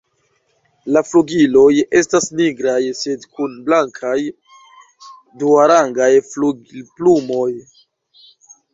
La flugiloj estas nigraj sed kun blankaj duarangaj flugilplumoj.